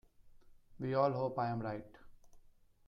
We all hope I am right.